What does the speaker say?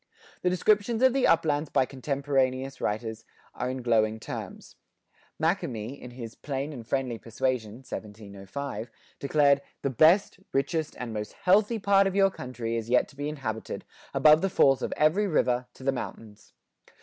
The descriptions of the uplands by contemporaneous writers are in glowing terms. Makemie, in his "Plain and Friendly Persuasion" (1705), declared "The best, richest, and most healthy part of your Country is yet to be inhabited, above the falls of every River, to the Mountains."